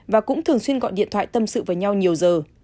và cũng thường xuyên gọi điện thoại tâm sự vào nhau nhiều giờ